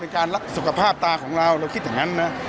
เป็นการรักษาสุขภาพตาของเราเราคิดถึงงั้นน่ะ